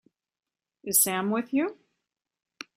Is Sam with you?